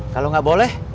kalau gak boleh